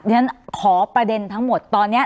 ฉันขอประเด็นทั้งหมดตอนนี้